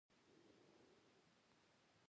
• خندا کول د زړه د صفا والي نښه ده.